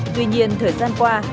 tuy nhiên thời gian qua